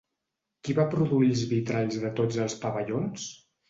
Qui va produir els vitralls de tots els pavellons?